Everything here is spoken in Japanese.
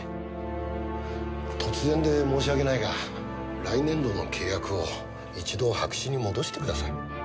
突然で申し訳ないが来年度の契約を一度白紙に戻してください。